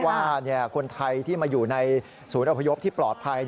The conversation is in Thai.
ว่าคนไทยที่มาอยู่ในศูนย์อพยพที่ปลอดภัย